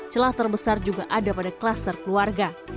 celah terbesar juga ada pada kluster keluarga